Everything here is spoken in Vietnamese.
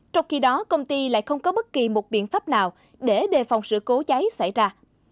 trong khi đó công ty lại không có bất kỳ một biện pháp nào để đề phòng sự cố cháy xảy ra